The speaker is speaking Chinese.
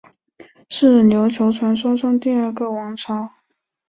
是琉球传说中第二个王朝。